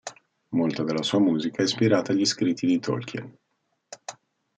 Molta della sua musica è ispirata agli scritti di Tolkien.